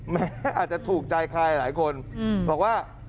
แม้จะถูกใจคลายหลายคนบอกว่า